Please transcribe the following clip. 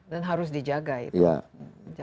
dan harus dijaga itu